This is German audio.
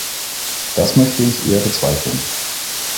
Das möchte ich eher bezweifeln.